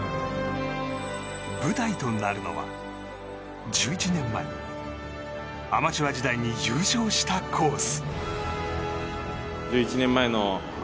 舞台となるのは１１年前、アマチュア時代に優勝したコース。